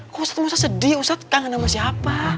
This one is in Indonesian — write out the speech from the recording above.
kok ustadz musa sedih ustadz kangen sama siapa